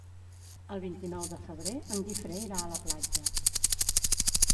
El vint-i-nou de febrer en Guifré irà a la platja.